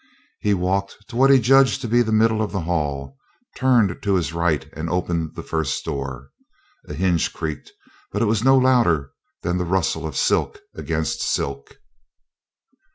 He walked to what he judged to be the middle of the hall, turned to his right, and opened the first door. A hinge creaked, but it was no louder than the rustle of silk against silk.